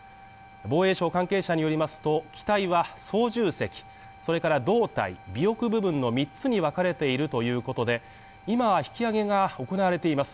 防衛省関係者によりますと、機体は操縦席それから胴体、尾翼部分の三つにわかれているということで、今引き揚げが行われています。